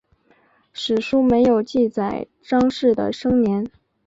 史书没有记载张氏的生年。